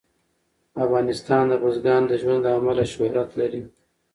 افغانستان د بزګانو د ژوند له امله شهرت لري.